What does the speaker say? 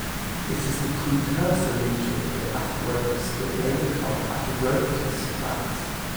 It is the precursor lesion of atheromas that may become atheromatous plaques.